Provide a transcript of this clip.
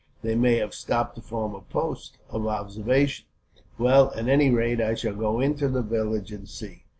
They may have stopped to form a post of observation." "Well, at any rate I shall go into the village and see.